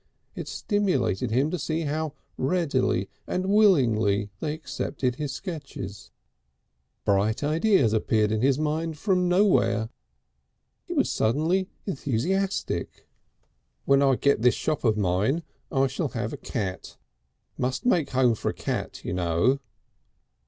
It stimulated him to see how readily and willingly they accepted his sketches. Bright ideas appeared in his mind from nowhere. He was suddenly enthusiastic. "When I get this shop of mine I shall have a cat. Must make a home for a cat, you know."